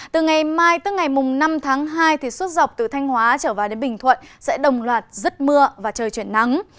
từ ngày mai tới ngày mùng năm tháng hai thì suốt dọc từ thanh hóa trở vào đến bình thuận sẽ đồng loạt rứt mưa và trời chuyển nắng